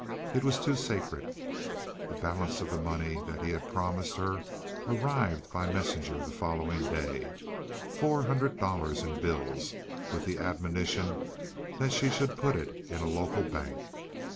It was too sacred. The balance of the money that he had promised her arrived by messenger the following day, four hundred dollars in bills, with the admonition that she should put it in a local bank.